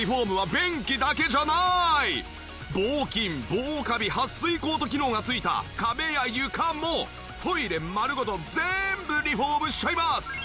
防菌防カビはっ水コート機能が付いた壁や床もトイレ丸ごと全部リフォームしちゃいます！